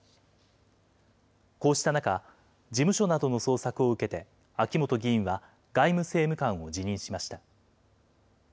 こうした中、事務所などの捜索を受けて、秋本議員は外務政務官を辞任しました。